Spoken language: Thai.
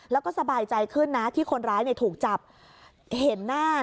แล้วก็สบายใจขึ้นนะที่คนร้ายถูกจับเห็นหน้า